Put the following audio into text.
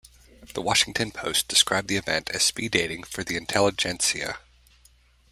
The Washington Post described the event as speed dating for the intelligentsia.